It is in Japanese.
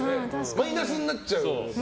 マイナスになっちゃうわけで。